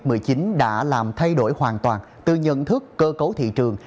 covid một mươi chín đã làm thay đổi hoàn toàn từ nhận thức cơ cấu thị trường